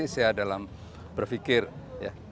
sehat dalam berpikir ya